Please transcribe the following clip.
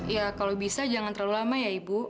ya kalau bisa jangan terlalu lama ya ibu